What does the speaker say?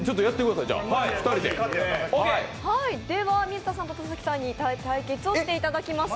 では水田さんと田崎さんに対決していただきます。